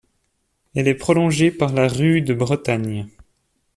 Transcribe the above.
Elle est prolongée par la rue de Bretagne.